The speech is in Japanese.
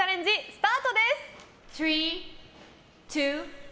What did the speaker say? スタートです！